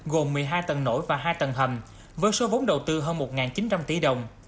gồm một mươi hai tầng nổi và hai tầng hầm với số vốn đầu tư hơn một chín trăm linh tỷ đồng